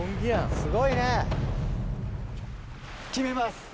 すごいね。決めます。